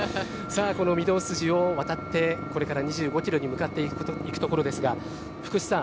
この御堂筋を渡ってこれから２５キロに向かっていくところですが福士さん